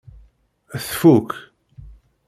Tfuk.